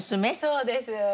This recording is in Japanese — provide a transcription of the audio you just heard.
そうです。